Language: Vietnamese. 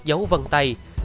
dấu vân tay